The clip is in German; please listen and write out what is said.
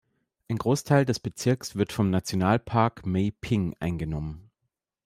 Ein Großteil des Bezirks wird vom Nationalpark Mae Ping eingenommen.